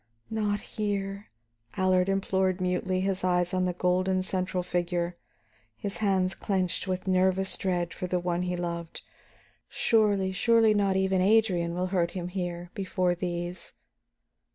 "Not here," Allard implored mutely, his eyes on the golden central figure, his hands clenched with nervous dread for the one he loved. "Surely, surely not even Adrian will hurt him here, before these!"